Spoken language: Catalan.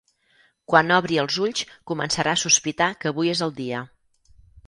Quan obri els ulls començarà a sospitar que avui és el dia.